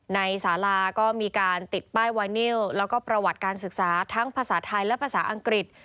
สาราก็มีการติดป้ายไวนิวแล้วก็ประวัติการศึกษาทั้งภาษาไทยและภาษาอังกฤษ